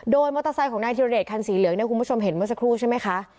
โดยมอเตอร์ไซค์ของนายธิรเดชคันสีเหลืองเนี่ยคุณผู้ชมเห็นเมื่อสักครู่ใช่ไหมคะ